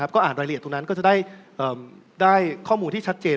ก็อ่านรายละเอียดตรงนั้นก็จะได้ข้อมูลที่ชัดเจน